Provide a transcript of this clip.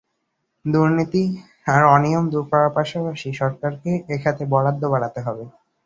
দুর্নীতি আর অনিয়ম দূর করার পাশাপাশি সরকারকে এ খাতে বরাদ্দ বাড়াতে হবে।